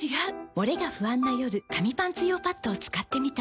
モレが不安な夜紙パンツ用パッドを使ってみた。